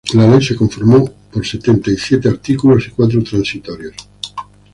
La ley se conformó por setenta y siete artículos y cuatro transitorios.